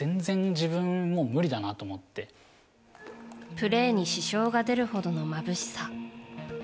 プレーに支障が出るほどのまぶしさ。